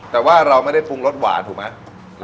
แต่ว่าเราไม่ได้ปรุงรสหวานถูกไหม